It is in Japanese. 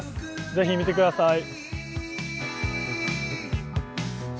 ぜひ見てください。